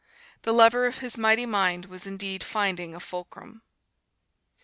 The lever of his mighty mind was indeed finding a fulcrum.